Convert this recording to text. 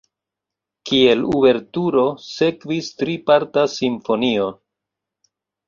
Kiel uverturo sekvis triparta simfonio.